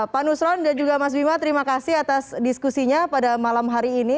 pak nusron dan juga mas bima terima kasih atas diskusinya pada malam hari ini